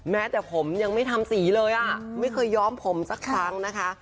แม้แต่ผมยังไม่ทำสีเลยอ่ะไม่เคยย้อมผมสักครั้งนะคะ